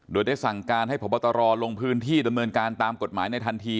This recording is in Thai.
โดยได้สั่งการให้พบตรลงพื้นที่ดำเนินการตามกฎหมายในทันที